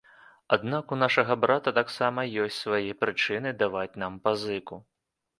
Аднак у нашага брата таксама ёсць свае прычыны даваць нам пазыку.